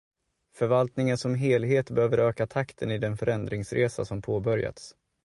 Förvaltningen som helhet behöver öka takten i den förändringsresa som påbörjats.